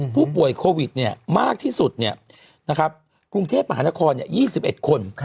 ผู้ป่วยโควิดเนี่ยมากที่สุดเนี่ยนะครับกรุงเทพมหานครเนี่ย๒๑คน